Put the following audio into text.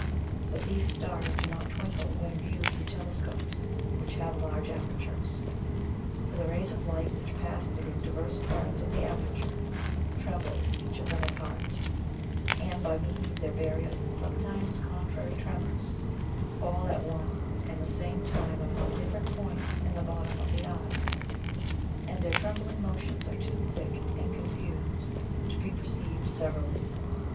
But these Stars do not twinkle when viewed through Telescopes which have large apertures. For the Rays of Light which pass through divers parts of the aperture, tremble each of them apart, and by means of their various and sometimes contrary Tremors, fall at one and the same time upon different points in the bottom of the Eye, and their trembling Motions are too quick and confused to be perceived severally.